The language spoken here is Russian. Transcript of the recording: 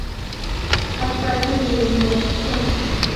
А спать-то уже и не хочется.